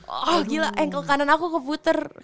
oh gila engkel kanan aku keputar